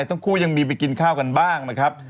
ทั้งคู่ยังมีไปกินข้าวกันบ้างนะครับ